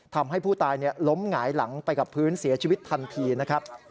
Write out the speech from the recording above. ทำให้ผู้ตายล้มหงายหลังไปกับพื้นเสียชีวิตทันทีนะครับ